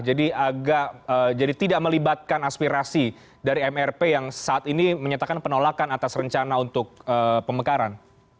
jadi agak jadi tidak melibatkan aspirasi dari mrp yang saat ini menyatakan penolakan atas rencana untuk pemekaran